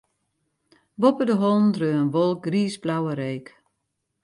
Boppe de hollen dreau in wolk griisblauwe reek.